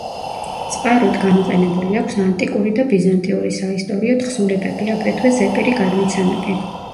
წყაროდ გამოყენებული აქვს ანტიკური და ბიზანტიური საისტორიო თხზულებები, აგრეთვე ზეპირი გადმოცემები.